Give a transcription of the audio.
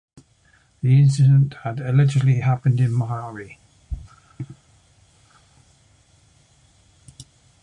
The incident had allegedly happened in Mohali.